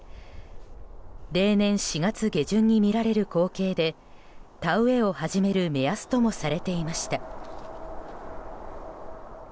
例年４月下旬に見られる光景で田植えを始める目安ともされていました。